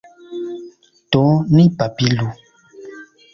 Do ni babilu.